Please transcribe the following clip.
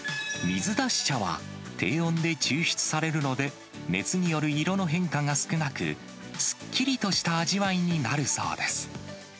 水出し茶は、低温で抽出されるので、熱による色の変化が少なく、すっきりとした味わいになるそうです。